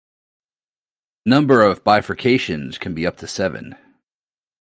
The number of bifurcations can be up to seven.